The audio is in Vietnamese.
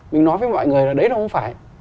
mình nói với mọi người là đấy là không phải